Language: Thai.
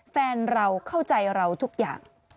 แฟนเราเข้าใจเราทุกอย่าง